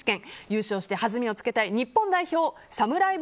優勝して弾みをつけたい日本代表サムライ